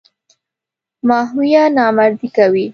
ماهویه نامردي کوي.